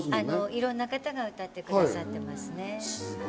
いろんな方が歌ってくださってますね。